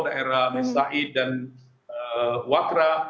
daerah masyarakat sa'id dan wakra